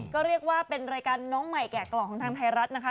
ก็เรียกว่าเป็นรายการน้องใหม่แก่กล่องของทางไทยรัฐนะคะ